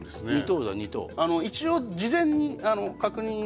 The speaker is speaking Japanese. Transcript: ２等一応事前に確認